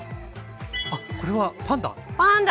あっこれはパンダ？